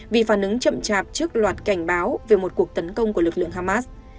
vì phản ứng chậm chạp trước loạt cảnh báo về một cuộc tấn công của lực lượng hamas